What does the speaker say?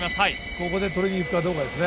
ここで取りに行くかどうかですね。